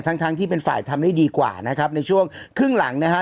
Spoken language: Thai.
ทั้งทั้งที่เป็นฝ่ายทำได้ดีกว่านะครับในช่วงครึ่งหลังนะฮะ